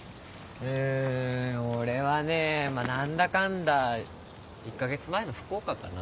うん俺はねぇまぁ何だかんだ１か月前の福岡かな。